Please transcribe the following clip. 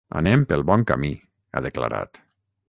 Anem pel bon camí, ha declarat.